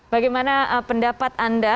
bagaimana pendapat anda